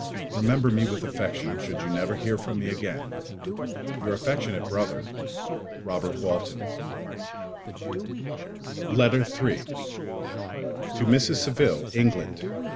Remember me with affection, should you never hear from me again. Your affectionate brother, Robert Walton Letter 3 _To Mrs. Saville, England.